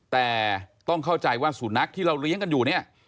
แต่ต้องเข้าใจว่าสุนัขที่เราเลี้ยงกันอยู่เนี่ย